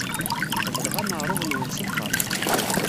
Qebleɣ aneɛṛuḍ-nwen s lfeṛḥ.